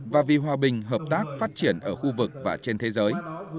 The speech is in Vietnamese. và vì hòa bình hợp tác phát triển ở khu vực và trên thế giới